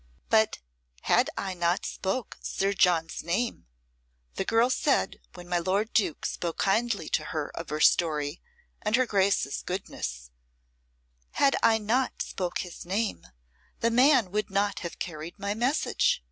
"But had I not spoke Sir John's name," the girl said when my lord Duke spoke kindly to her of her story and her Grace's goodness; "had I not spoke his name, the man would not have carried my message.